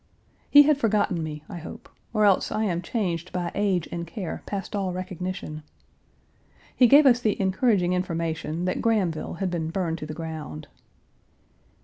He had forgotten me, I hope, or else I am changed by age and care past all recognition. He gave us the encouraging information that Grahamville had been burned to the ground.